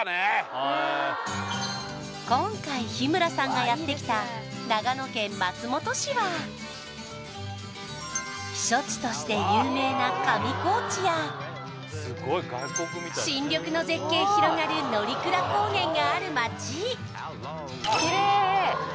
今回日村さんがやってきた長野県松本市は避暑地として有名な上高地や新緑の絶景広がる乗鞍高原がある街